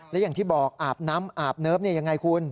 และอย่างที่บอกอาบน้ำอาบเนิบยังไงคุณ